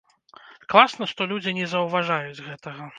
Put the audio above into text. Класна, што людзі не заўважаюць гэтага.